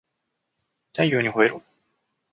太陽にほえろ